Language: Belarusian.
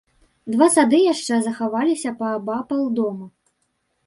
Два сады яшчэ захаваліся паабапал дома.